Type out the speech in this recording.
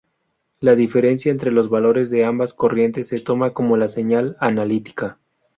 La diferencia entre los valores de ambas corrientes se toma como la señal analítica.